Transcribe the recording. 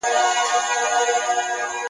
تر څو نه یو شرمینده تر پاک سبحانه,